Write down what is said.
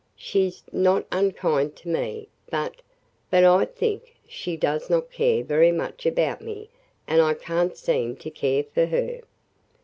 She 's not unkind to me, but – but I think she does not care very much about me and I can't seem to care for her.